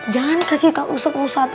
jangan kasih tak usap usap